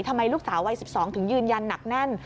ทำไมลูกสาววัย๑๒ถึงยืนยันหนักแน่น